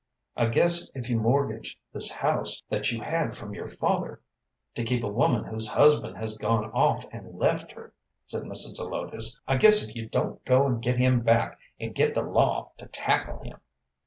"I guess if you mortgage this house that you had from your father, to keep a woman whose husband has gone off and left her," said Mrs. Zelotes, "I guess if you don't go and get him back, and get the law to tackle him!"